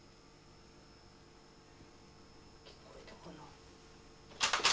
聞こえたかな？